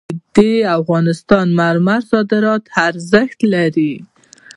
د افغانستان مرمر صادراتي ارزښت لري